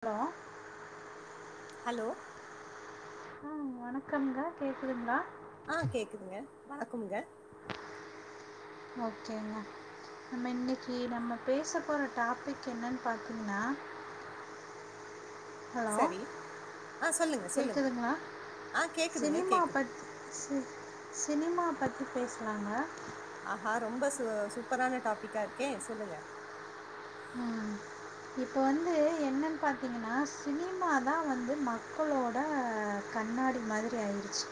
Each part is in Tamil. ஹலோ ஹலோ ஆ வணக்கங்க கேக்குதுங்ளா ஆ கேக்குதுங்க வணக்கம்ங்க ஓகேங்க நம்ம இன்னக்கி நம்ம பேசப் போற டாபிக் என்னன் பாத்திங்கன்னா ஹலோ சரி ஆ சொல்லுங்க சொல்லுங்க கேக்குதுங்களா ஆ கேக்குதுங்க சினிமா கேக்குது பத் சி சினிமா பத்தி பேசுலாங்க ஆஹா ரொம்ப சூ சூப்பரான டாபிக்கா இருக்கே சொல்லுங்க ம் இப்ப வந்து என்னன் பாத்தீங்கனா சினிமாதா வந்து மக்களோட கண்ணாடி மாதிரி ஆயிருச்சு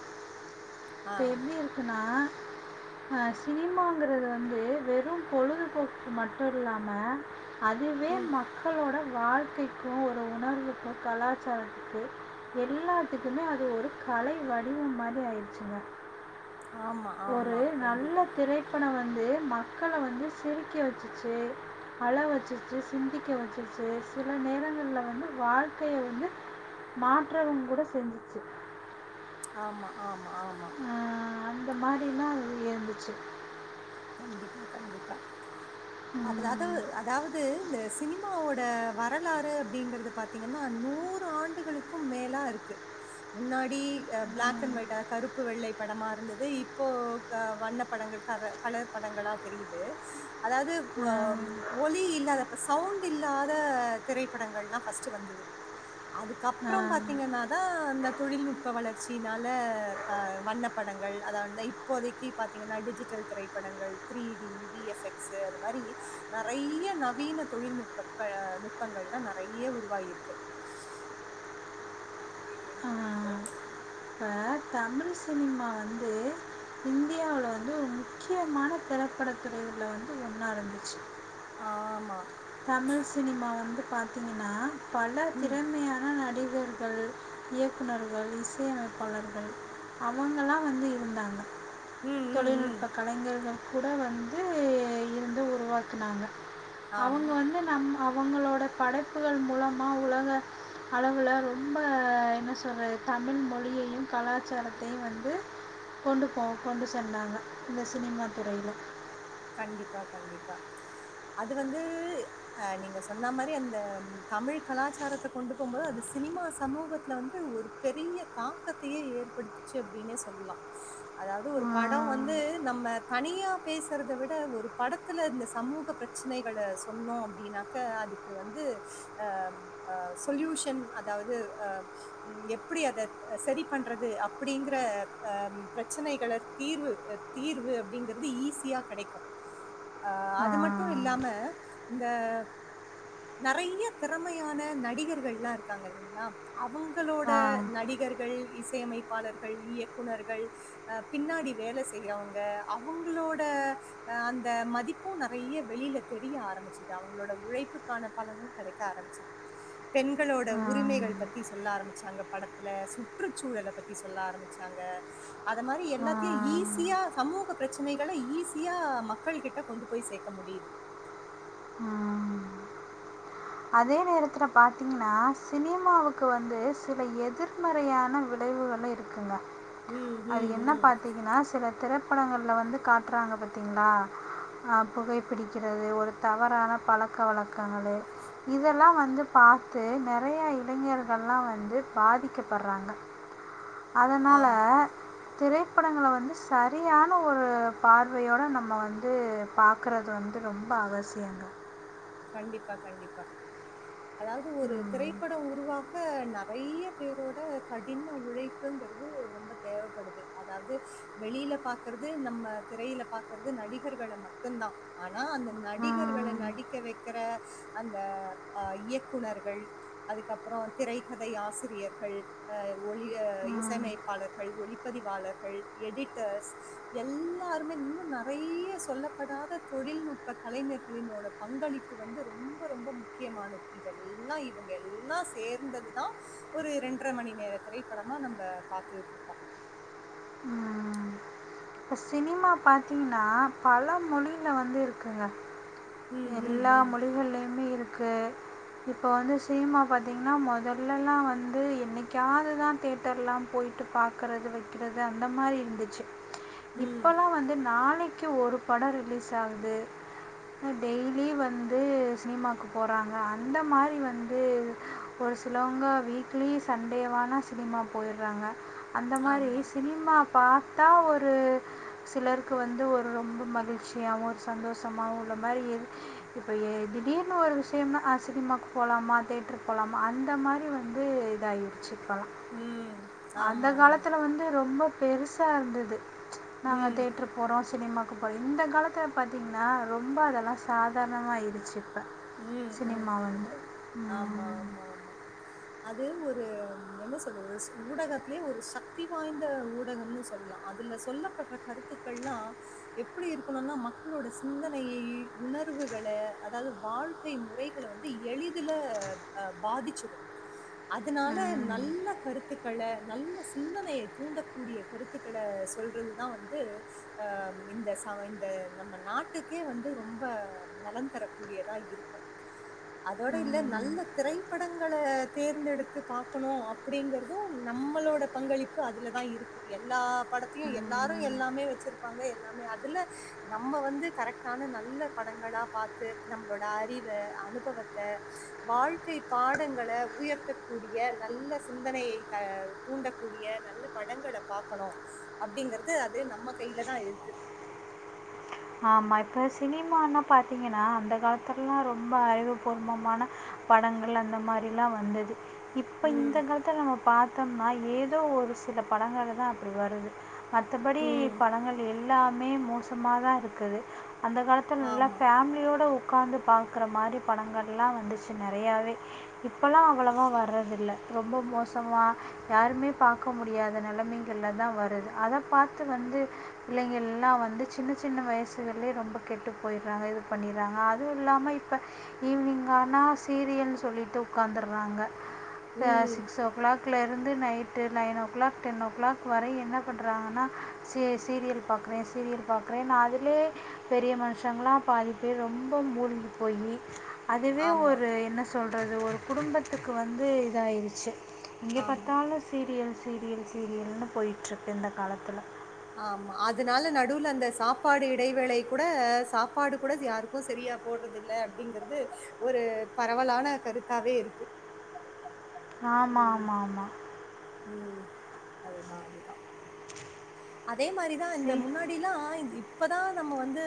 ஆ இப்ப எப்டி இருக்குனா ஆ சினிமாங்கறது வந்து வெறு பொழுதுபோக்கு மட்டு இல்லாம அதுவே ம் மக்களோட வாழ்க்கைக்கு ஒரு உணர்வுக்கு கலாச்சாரத்துக்கு எல்லாத்துக்குமே அது ஒரு கலை வடிவம் மாரி ஆயிரு ச்சுங்க ஆமா ஒரு ஆமா நல்ல கண்டிப்பா திரைப்படோ வந்து மக்கள வந்து சிரிக்க வச்சுச்சு அழ வச்சிருச்சு சிந்திக்க வச்சிருச்சு சில நேரங்கள்ல வந்து வாழ்க்கைய வந்து மாற்றவங் கூட செஞ்சிச்சு ஆமா ஆமா ஆமா ந்த மாரிலா இருந்துச்சு கண்டிப்பா கண்டிப்பா அப்பதாது உம் அதாவது இந்தஸ் சினிமாவோட வரலாறு அப்டிங்கறது பாத்தீங்கன்னா நூறு ஆண்டுகளுக்கு மேலா இருக்கு முன்னாடி பிளாக் அண்ட் உம் ஒயிட்டா கருப்பு வெள்ளை படமா இருந்தது இப்போ வண்ணப்படங்கள் கலர் கலர் படங்களா தெரியுது அதாவது வோ அஹ் ஒலி இல்லாத‌ ப்ப சவுண்ட் இல்லாத திரைப்படங்கள்ளா ஃபஸ்ட் வந்துது அதுக்கப்புறோ அஹ் பாத்தீங்கன்னா தா இந்த தொழில்நுட்ப வளர்ச்சினால வண்ணப்படங்கள் அதாவ இப்போதைக்கு பாத்தீங்கன்னா டிஜிட்டல் திரை படங்கள் த்ரீ டி விஎஃப் எக்ஸ் அது மாரி நறையா நவீன தொழில்நுட்ப நுட்பங்கள்லா நறைய உருவாகி இருக்கு இப்போ தமிழ் சினிமா வந்து இந்தியாவில வந்து முக்கியமான திரைப்பட துறைகள்ல வந்து ஒன்னா இருந்துச்சு ஆமா. தமிழ் சினிமா வந்து பாத்திங்கன்னா பல ம். திறமையான நடி கர்கள் இயக்குநர்கள் இசையமைப்பாளர் அவங்களா வந்து இருந்தாங்க ம், ம், ம். தொழில்நுட்பக் கலைஞர்கள் கூட வந்து இருந்து உருவாக்குனாங்க அவங்க ஆமா. வந்து நம்ம அவங்களோட படைப்புகள் மூலமாக உலக அளவுல ரொம்ப என்ன சொல்றது தமிழ் மொழியையு கலாச்சாரத்தையு வந்து கொண்டு போ கொண்டு சென்னாங்க இந்த சினிமா துறையில கண்டிப்பா கண்டிப்பா அது வந்து அ நீங்க சொன்ன மாரி அந்த தமிழ் கலாச்சாரத்த கொண்டு போம்போது அது சினிமா சமூகத்துல வந்து ஒரு பெரிய தாக்கத்தயே ஏற்படுத்துச்சு அப்டின்னே சொல்லலா அதாவது ஒரு ஆ படோ வந்து நம்ம தனியா பேஸ் க்கறதவிட ஒரு படத்துல இந்த சமூக பிரச்சனைகள சொன்னோ அப்டினாக்க அதுக்கு வந்து ஆ அ சொல்யூஷன் அதாவது ஆ எப்டி அத சரி பண்றது அப்டிங்கற ஆ பிரச்சனைகள தீர்வு தீர்வு அப்டிங்கிறது ஈஸியா கிடைக்கு அ அது மட்டு ஆ இல்லாம இந்த நறையா திறமையான நடிகர்கள்லா இருக்காங்க இல்லங்களா அவங்களோட ஆ நடிகர்கள் இஸ் இஸைமைப்பாளர்கள் இயக்குநர்கள் ஆ பின்னாடி வேல செய்றவங்க அவங்களோட அந்த மதிப்பு நறைய வெளில தெரிய ஆரம்பிச்சுது அவங்களோட உழைப்புக்கான பலனு கடைக்க ஆரம்பிச்சுது பெண்களோட உரிமைகள் பத்தி சொல்ல ஆரம்பிச்சாங்க படத்துல சுற்றுச்சூழல பத்தி சொல்ல ஆரம்பிச்சாங்க அத மாரி எல்லாத்தையு ஆ ஈசியா சமூக பிரச்சனைகள ஈஸ் யா மக்கள் கிட்ட கொண்டு போய் சேக்க முடியுது ஆ ஆ அதே நேரத்துல பாத்தீங்கன்னா சினிமாவுக்கு வந்து சில எதிர்மறையான விளைவுகள இருக்குங்க ம், அது ம், என்ன ம். பாத்தீங்கன்னா சில திறப் ப்படங்கல்ல வந்து காட்டுறாங்க பாத்தீங்களா ஆ புகைப்பிடிக்கிறது ஒரு தவறான பழக்க வழக்கங்கள் இதெல்லா வந்து பாத்து நறையா இளைஞர்கள்லா வந்து பாதிக்கப்படுறாங்க அதனால ஆமா. திரைப்படங்கள வந்து சரியான ஒரு பார்வையோடு நம்ம வந்து பாக்குறது வந்து ரொம்ப அவசியங்க கண்டிப்பா கண்டிப்பா அதாவது ஒரு ம் திரைப்படம் உருவாக நெறய பேரோட கடின உழைப்புங்குறது ரொம்ப தேவப்படுது அதாவது வெளியில பாக்குறது நம்ம திரையில பாக்குறது நடிகர்கள மட்டுந்தா ஆனா அந்த நடிகர்கள ம் நடி வக்குற அந்த அ இயக்குநர்கள் அதுக்கப்பறோ திரைக்கதை ஆசிரியர்கள் அ ஒளி ம் இசையமைப்பாளர்கள் ஒளிப்பதிவாளர்கள் எடிட்டர்ஸ் எல்லாருமே இன்னு நெறய சொல்லப்படாத தொழில்நுட்ப கலைஞர்களினோட பங்களிப்பு வந்து ரொம்ப ரொம்ப முக்கியமானது இதெல்லா இவுங்க எல்லா சேர்ந்ததுதா ஒரு இரண்டரை மணி நேர திரைப்படமா நம்ப பாத்துட்டு இருக்கோ இப்ப சினிமா பாத்தீங்கனா பல மொழில வந்து இருக்குங்க ம், ம், எல்லா ம். மொழிகள்லயுமே இரு க்கு இப்போ வந்து சினிமா பாத்தீங்கனா மொதல்லலா வந்து என்னைக்காவது தா தேட்டர்லா போய்டு பாக்குறது வைக்குறது அந்த மாதிரி இருந்துச்சு ம். இப்பல்லா வந்து நாளு ஒரு பட ரிலீஸ் ஆகுது டெய்லி வந்து சினிமாக்கு போறாங்க அந்த மாதிரி வந்து ஒரு சிலவுங்க வீக்லி சண்டேவானா சினிமா போய்றாங்க அந்த மாதிரி ஆமா. சினிமா பாத்தா ஒரு சிலருக்கு வந்து ஒரு ரொம்ப மகிழ்ச்சியாவு ஒரு சந்தோஷமாவு உள்ள மாதிரி எது இப்போ திடீர்னு ஒரு விஷயம்னா சினிமாக்கு போகலாமா தேட்டருக்கு போலாமா அந்த மாதிரி வந்து இதாய்டுச்சு இப்பலா ம். அந்த ஆமா, ஆமா. காலத்துல வந்து ரொம்ப பெருசா இருந்தது நாங்க ம். தேட்ரு போறோம் சினிமாவுக்கு போல இந்த காலத்ல பாத்திங்கனா ரொம்ப அதெல்லா சாதாரணமா ஆயிடுச்சு ம், ம், சினிமா ம். வந்து ஆமா, உம் ஆமா, ஆமா. அது ஒரு என்ன சொல்றது ஒரு ஊடகத்லேயே ஒரு சக்தி வாய்ந்த ஊடகம்னு சொல்லலா அதுல சொல்லப்பட்ற கருத்துக்கள்ல்லா எப்டி இருக்கணுனா மக்களோட சிந்தனையை உணர்வுகள அதாவது வாழ்க்கை முறைகளை வந்து எளிதுல அ பாதிச்சிடு அதனால ம் நல்ல கருத்து நல்ல சிந்தனைய தூண்டக்கூடிய கருத்துக்கள சொல்றது தா வந்து அ இந்த இந்த நம்ம நாட்டுக்கே வந்து ரொம்ப நலம்ந்தர கூடியதா இருக்கு அதோட இல்ல ம் நல்ல திரைப்படங்கள தேர்ந்தெடுத்து பாக்கணு அப்டிங்கறது நம்மளோட பங்களிப்பு அதுலதா இருக்கு எல்லா படத்தையு எல்லாரு ம் எல்லாமே வச்சிருப்பாங்க எல்லாமே அதுல நம்ம வந்து கரெக்டான நல்ல படங்களா பாத்து நம்மளோட அறிவ அனுபவத்த வாழ்க்கை பாடங்கள உயர்த்தக்கூடிய நல்ல சிந்தனைய அ தூண்டக்கூடிய நல்ல படங்கள பாக்கணு அப்டிங்கறது அது நம்ம கையில தா இருக்கு ஆமா இப்போ சினிமானு பாத்தீங்னா அந்த காலத்துல எல்லா ரொம்ப அறிவுபூர்வமான படங்கள் அந்த மாதிரிலா வந்தது இப்ப ம். இந்த காலத்ல நம்ம பாத்த பாத்தம்னா ஏதோ ஒரு சில படங்கள் தா அப்டி வருது மத்தபடி ம். படங்கள் எது எல்லாமே மோசமாக தா இருக்கு க்குது அந்த காலத்துல நல்லா ஆமா. ஃபேமிலியோட ஒக்காந்து பாக்குற மாரி படங்கள் எல்லா வந்துச்சு நெறயாவே இப்பல்லா அவ்வளவா வர்றதில்ல ரொம்ப மோசமா யாருமே பாக்க முடியாத நெலமைகள்ல தா வருது அத பாத்து வந்து பிள்ளைங்கள் எல்லா வந்து சின்ன சின்ன வயசு சில பேர் ரொம்ப கெட்டு போயிறாங்க இது பண்ணிறாங்க அதுவு இல்லாம இப்ப ஈவினிங்கானா சீரியல்னு சொல்லிட்டு ஒக்காந்துறாங்க ஆ ம். சிக்ஸ் ஓ கிளாக் லே லிருந்து night nine o'clock ten o'clock வரை என்ன பண்றாங்கன்னா சீ சீரியல் பாக்கறே சீரியல் பாக்கறேன்னு அது லயே பெரிய மனுஷங்கல்லா பாதிப்பேரு ரொம்ப மூழ்கிப் போயி அதுவே ஆமா. ஒரு என்ன சொல் றது ஒரு குடும்பத்துக்கு வந்து இதாயிருச்சு எங்க ஆமா. பாத்தாலு சீரியல் சீரியல் சீரியல்னு போய்ட்ருக்கு இந்த காலத்துல ஆமா அதனால நடுவுல அந்த சாப்பாடு இடைவேளை கூட சாப்பாடு கூட யாருக்கு செரியா போட்றது இல்ல அப்டிங்கறது ஒரு பரவலான கருத்தாக இருக்கு ஆமா ம். ஆமா ஆமா ம் அதுதா அதுதா அதே மாரிதா இந்த சி முன்னாடில்லா இந் இப்ப தா நம்ம வந்து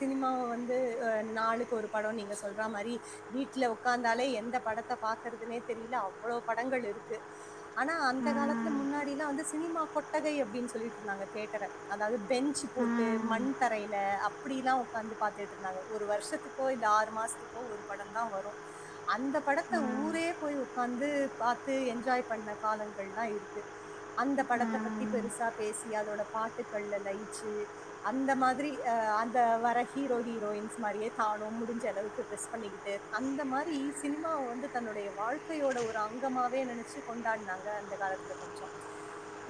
சினிமாவ வந்து ஆ நாளுக்கு ஒரு படோ நீங்க சொல்றா மாரி வீட்ல உக்காந்தாலே எந்த படத்த பாக்கறதுனே தெரியல அவ்ளோ படங்கள் இருக்கு ஆனா அந்த காலத்துல ம் முன்னாடிலா வந்து சினிமா கொட் டகை அப்டின் சொல்லி ட்ருந்தாங்க தேட்டர அதாவது பெஞ்சு போட்டு ம் மண் தரைல அப் பிடிலா உக்காந்து பாத்துட்ருந்தாங்க ஒரு வர்ஷத்துக்கோ இல்ல ஆறு மாசத்துக்கோ ஒரு படோந்தா வரு அந்த படத்த ம் ஊரே போய் உ க்காந்து பாத்து என்ஜாய் பண்ண காலங்கள்லா இருக்கு அந்த படத்த பத்தி ம் பெருசா பேசி அதோட பாட்டுகள்ல லயிச்சு அந்த மாதிரி ஆ அந்த வர ஹீரோ ஹீரோயின்ஸ் மாரியே தானு முடிஞ்ச அளவுக்கு ட்ரெஸ் பண்ணிக்கிட்டு அந்த மாரி சினிமாவ வந்து தன்னுடைய வாழ்க்கையோட ஒரு அங்கமாவே நெனைச்சு கொண்டாடுனாங்க அந்த காலத்துல கொஞ்சோ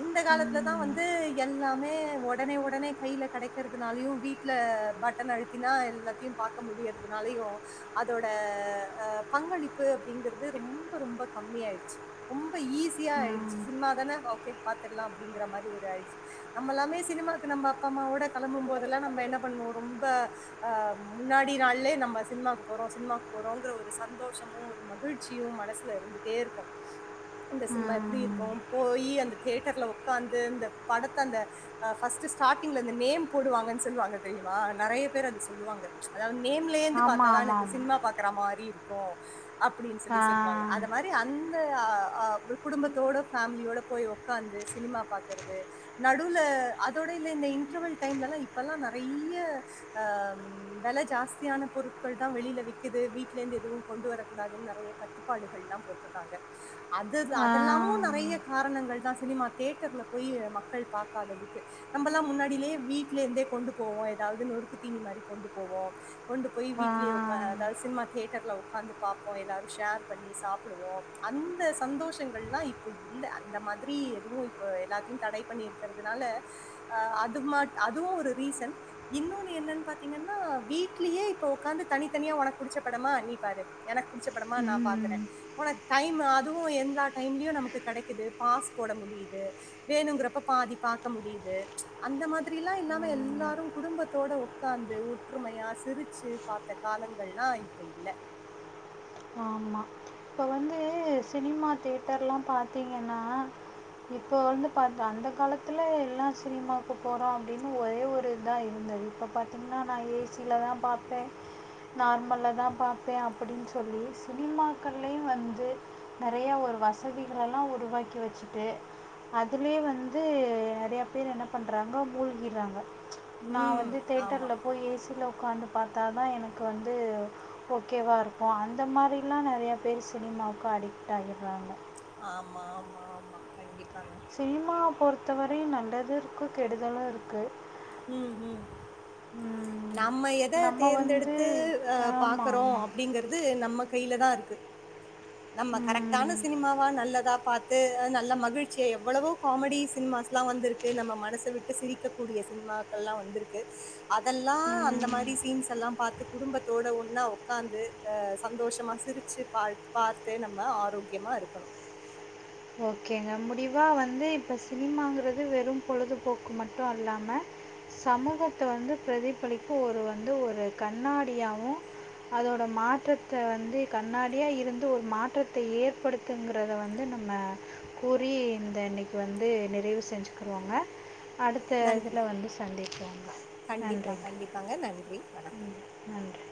இந்த காலத்துல வந்து ம் எல்லாமே ஒடனே ஒடனே கைல கெடைக்கறதுனாலயு வீட்ல பட்டன் அழுத்தினா எல்லாத்தையு பாக்க முடியறதுனாலயு அதோட ஆ பங்களிப்பு அப்டிங்கறது ரொம்ப ரொம்ப கம்மியாயிடுச்சு ரொம் ப ஈசியா ம் ஆயிடுச்சு சினிமா தான ஓகே பாத்துரலா அப்டிங்கற மாரி ஒரு ஆயிடுச்சு நம்ம எல்லாமே சினிமாக்கு நம்ம அப்பா அம்மாவோட கெளம்பும் போதெல்லா நம்ம என்ன பண்ணுவோ ரொம்ப ஆ முன்னாடி நாள்லே நம் சினிமாக்கு போறோ சினிமாக்கு போறோங்கிற ஒரு சந்தோஷமு ஒரு மகிழ்ச்சியு மனசுல இருந்துட்டே இருக்கு அந்த சினிமா எப்பிடி இருக்கு ம் போயி அந்த தியேட்டர்ல உக்காந் து அந்த படத்த அந்த ஆ ஃபஸ்ட்டு ஸ்டாட்டிங்ல அந்த நேம் போடுவாங்கன் சொல்வாங்க தெரியுமா நெறைய பேர் அது சொல்லுவாங்க அதா வந் நேம்லேர்ந்து ஆமாம் பாத்தாதா எனக்கு ஆமாம் சினிமா பாக்கறா மாரி இரு க்கு அப்பிடின்னு சொல்லி சொல்வாங்க அந்த ஆமாம் மாரி அந் த ஆ ஆ கு குடும்பத்தோட ஃபேமிலியோட போய் ஒக்காந்து சினிமா பா க்கறது நடுவுல அதோட இந்த இந்த இன்ட்ரவல் டைம்லலா இப்பல்லா நெறைய அம் வெல ஜாஸ்தியான பொருட்கள்தா வெளில விக்குது வீட்ல இருந்து எதுவு கொண்டு வரக்கூடாதுன்னு நெறைய கட்டுப்பாடுகள்லாம் போட்ருக்காங்க அது ஆ ஆ அதெல்லாமு நெறைய காரணங்கள்தா சினிமா தியேட்டர்ல பொய்ய மக்கள் பாக்காததுக்கு நம்ம எல்லா முன்னாடியிலியே வீட்லந்தே கொண்டு போவோ ஏதாவது நொறுக்கு தீனி மாரி கொண்டு போவோ கொண்டு போய் ஆ வீட்லயே ஒக்காரது சினிமா தியேட்டர்ல உக்காந்து பாப்போ எல்லாரு ஷேர் பண்ணி சாப்பிடுவோ அந்த சந்தோஷங்கள் எல்லா இப்ப இல்ல அந்த மாதிரி எதுவு இப்ப எல்லாத்தியு தடை பண்ணி இருக்கிறதுனால அதுமா அதுவு ஒரு ரீசன் இன்னொன்னு என்னன் பாத்தீங்கன்னா வீட்லியே இப்ப உக்காந்து தனித்தனியா உனக்கு புடிச்ச படமா நீ பாரு எனக்கு புடிச்ச படமா நா பாக்குறே ம் போனா டைம் அதுவு எந்தா டைம்லயு நமக்கு கெடைக்குது பாஸ் போட முடியுது வேணுங்கிறப்ப பாதி பாக்க முடியுது அந்த மாதிரில்லா இல்லாம ம் எல்லாரு குடும்பத்தோட உக்காந்து ஒற்றுமையா சிரிச்சி பாத்த காலங்கல்லா இப்ப இல்ல ஆமா இப்ப வந்து சினிமா தியேட்டர்ல்லா பாத்தீங்கன்னா இப்போ வந்து பாத் அந்த காலத்துல எல்லா சினிமாக்கு போறோ அப்பிடின் ஒரே ஒரு இதா இருந்தது இப்ப பாத்தீங்கன்னா நா ஏசியிலதா பாப்பே நார்மல்லதா பாப்பே அப்பிடின் சொ சொல்லி சினிமாக்கள்லியும் வந்து நெறையா ஒரு வசதிகலெல்லா உருவாக்கி வச்சுட்டு அதிலியு வந்து நெறையா பேர் என்ன பண்ணுறாங்க மூழ்கிறாங்க நா உம் வந்து ஆமா தேட்டர்ல போய் ஏசியில உக் உக்காந்து பாத்தா தா எனக்கு வந்து ஓகேவாக இருக் க்கு அந்த மாரில்லா நெறையா பேர் சினிமாவுக்கு அடிக்ட் ஆயிறாங்க ஆமா ஆமா ஆமா கண்டிப்பா சினிமா பொறுத்தவரையு நல்லது இருக்கு கெடுதலு இருக்கு ம் ம் நம்ம எத நம்ம வந்து தேர்ந்தெடுத்து அ பாக்குறோ ஆமாம் அப்பிடிங்கறது நம்ம கையிலதா இருக் இது நம்ம கரெக்டான ஆமாம் சினிமாவா நல்லதா பாத்து நல்ல மகிழ்ச்சியா எவ்வளவோ காமெடி சினிமாஸ் எல்லா வந்திருக்கு நம்ம மனச விட்டு சிரிக்க கூடிய சினிமாக்கள் எல்லா வந்திருக்கு அதெல்லா அந்த மாரி சீன்ஸ் எல்லா பாத்து குடும்பத்தோட ஒன்னா ஒக்காந்து அ சந்தோஷமா சிரிச்சி ப பாத்தே நம்ம ஆரோக்கியமா இருக்கனு ஓகேங்க முடிவா வந்து இப்ப சினிமாங்கிறது வெறு பொழுதுபோக்கு மட்டு அல்லாம சமூகத்த வந்து பிரதிபலிப்பு ஒரு வந்து ஒரு கண்ணாடியாவு அதோட மாற்றத்த வந்து கண்ணாடியா இருந்து ஒரு மாற்றத்த ஏற்படுத்துங்கறத வந்து நம் ம்ம கூறி இந்த இன்னைக்கு வந்து நிறைவு செஞ்சுக்குவோங்க அடுத்த நன்றி இதில வந்து சந்திப்போங்க கண்டிப்பா நன்றிங்க கண்டிப்பாங்க நன்றி வணக்கம் ம் நன்றி